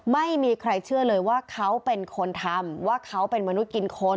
ไม่มีใครเชื่อเลยว่าเขาเป็นคนทำว่าเขาเป็นมนุษย์กินคน